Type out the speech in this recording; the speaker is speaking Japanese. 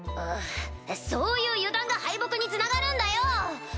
そういう油断が敗北に繋がるんだよ！